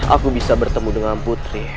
aku bisa bertemu dengan putri